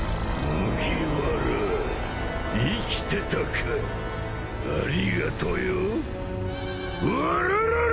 麦わら生きてたか。ありがとよ。ウォロロロ！